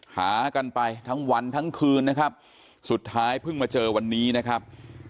หากันไปทั้งวันทั้งคืนนะครับสุดท้ายเพิ่งมาเจอวันนี้นะครับ